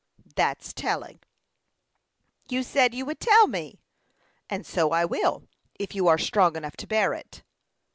"That's telling!" "You said you would tell me." "And so I will, if you are strong enough to bear it."